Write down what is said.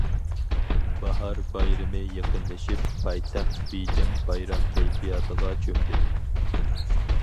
باھار بايرىمى يېقىنلىشىپ، پايتەخت بېيجىڭ بايرام كەيپىياتىغا چۆمدى.